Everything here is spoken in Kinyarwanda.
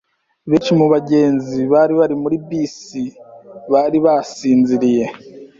Benshi mu bagenzi bari muri bisi bari basinziriye.